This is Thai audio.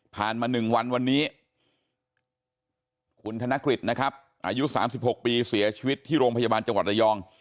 มา๑วันวันนี้คุณธนกฤษนะครับอายุ๓๖ปีเสียชีวิตที่โรงพยาบาลจังหวัดระยอง